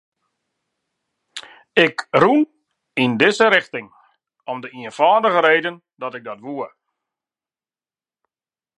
Ik rûn yn dizze rjochting om de ienfâldige reden dat ik dat woe.